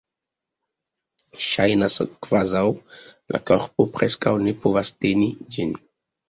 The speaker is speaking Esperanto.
Ŝajnas, kvazaŭ la korpo preskaŭ ne povas teni ĝin.